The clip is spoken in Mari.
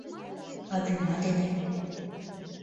— А вӱма дене?